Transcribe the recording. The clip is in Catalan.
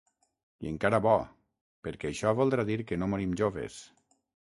I encara bo, perquè això voldrà dir que no morim joves.